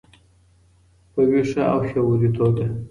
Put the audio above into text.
په ویښه او شعوري توګه.